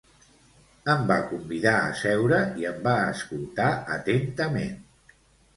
em va convidar a seure i em va escoltar atentament